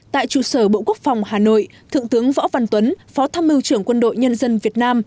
tại trụ sở bộ quốc phòng hà nội thượng tướng võ văn tuấn phó tham mưu trưởng quân đội nhân dân việt nam